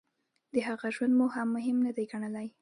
د هغه ژوند مو هم مهم نه دی ګڼلی.